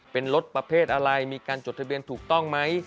เป็นรถประเภทอะไรมีการจดทะเบียนถูกต้องไหม